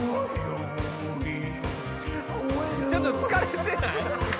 ちょっと疲れてない？